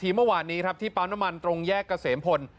เมื่อวานนี้ครับที่ปั๊มน้ำมันตรงแยกเกษมพล